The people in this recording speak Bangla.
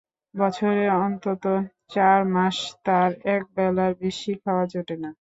বছরে অন্তত চার মাস তার এক বেলার বেশি খাওয়া জোটে না।